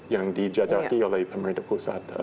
yang dijajaki oleh pemerintah pusat